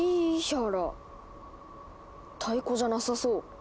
太鼓じゃなさそう。